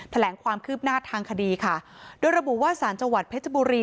แถลงความคืบหน้าทางคดีค่ะโดยระบุว่าสารจังหวัดเพชรบุรี